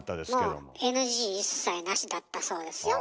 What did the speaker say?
もうＮＧ一切なしだったそうですよ。